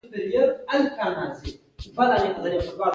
که ته دا کار وکړې نو جایزه به واخلې.